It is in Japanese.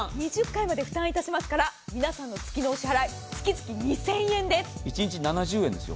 ２０回まで負担しますから皆さんの月のお支払い一日７０円です。